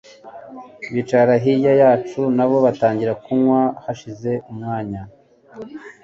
bicara hirya yacu nabo batangira kunywa hashize umwanya